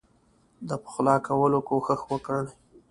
د پخلا کولو کوښښ وکړي.